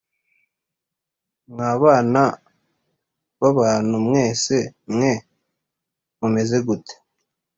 Mwa bana b abantu mwese mwe mumeze gute.